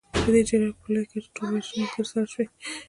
په دې جګړه کې په لویه کچه ټولوژنې ترسره شوې.